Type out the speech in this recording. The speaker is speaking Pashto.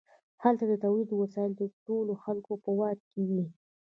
هلته د تولید وسایل د ټولو خلکو په واک کې وي.